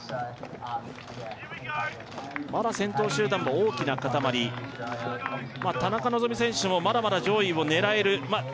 まだ先頭集団も大きな固まり田中希実選手もまだまだ上位を狙える